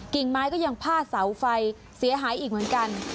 กิ่งไม้ก็ยังพาดเสาไฟเสียหายอีกเหมือนกัน